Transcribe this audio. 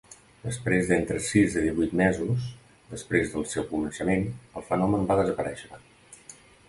Després d'entre sis a divuit mesos després del seu començament, el fenomen va desaparèixer.